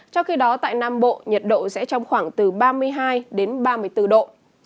trong khi đó tại nam bộ nhiệt độ sẽ trong khoảng từ ba mươi hai đến ba mươi bốn độ